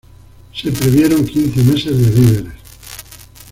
Se previeron quince meses de víveres.